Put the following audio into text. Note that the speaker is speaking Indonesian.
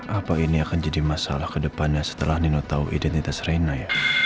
apa ini akan jadi masalah kedepannya setelah nino tahu identitas reina ya